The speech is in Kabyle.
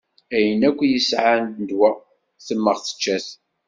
Ayen akk i yesɛa n ddwa temmeɣ tečča-t.